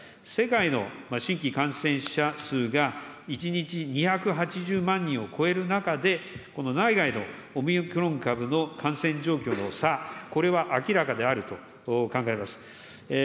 世界の新規感染者数が、１日２８０万人を超える中で、この内外のオミクロン株の感染状況の差、これは明らかであると考えます。